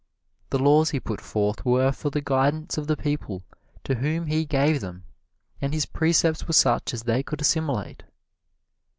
The laws he put forth were for the guidance of the people to whom he gave them, and his precepts were such as they could assimilate.